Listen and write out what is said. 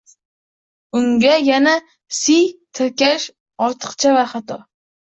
unga yana -si tirkash ortiqcha va xato